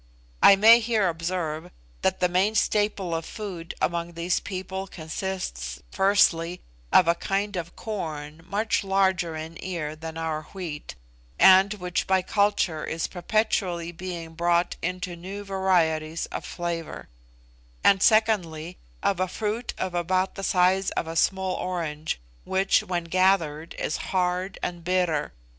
I may here observe that the main staple of food among these people consists firstly, of a kind of corn much larger in ear than our wheat, and which by culture is perpetually being brought into new varieties of flavour; and, secondly, of a fruit of about the size of a small orange, which, when gathered, is hard and bitter.